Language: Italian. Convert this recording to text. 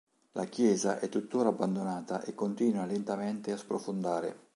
La chiesa è tuttora abbandonata e continua lentamente a sprofondare.